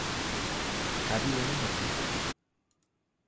Have you any money?